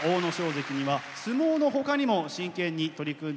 関には相撲の他にも真剣に取り組んでいるものがあります。